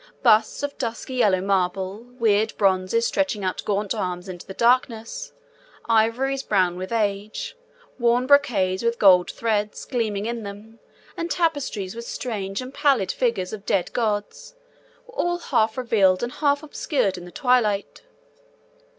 Busts of dusky yellow marble, weird bronzes stretching out gaunt arms into the darkness, ivories brown with age, worn brocades with gold threads gleaming in them, and tapestries with strange and pallid figures of dead gods, were all half revealed and half obscured in the twilight.